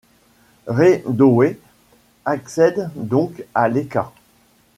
Ré-Dowé accède donc à l'éka.